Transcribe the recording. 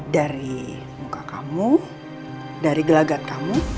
dari muka kamu dari gelagat kamu